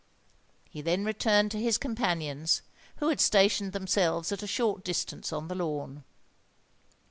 He then returned to his companions, who had stationed themselves at a short distance on the lawn.